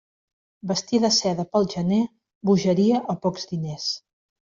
Vestir de seda pel gener; bogeria o pocs diners.